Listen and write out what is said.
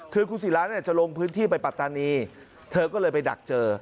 คือคุณศิราเนี่ยจะลงพื้นที่ไปปัตตานีเธอก็เลยไปดักเจอ